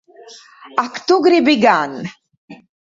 Ak tu gribi gan!